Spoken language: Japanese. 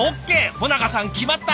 保永さん決まった！